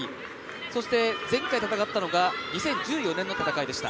そして、前回戦ったのが２０１４年の戦いでした。